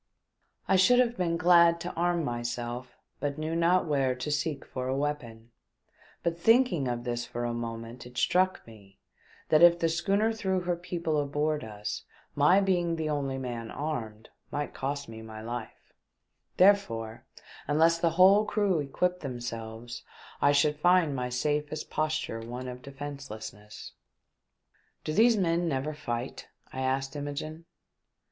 I should have been glad to arm myself, but knew not where to seek for a weapon ; but thinking of this for a moment, it struck me that if the schooner threw her people aboard us, my being the only man armed might cost me my life ; therefore, unless the whole crew equipped themselves I should find my safest posture one of defencelessness. 360 THE DEATH SHIP. " Do these men never fight ?" I asked Imogene.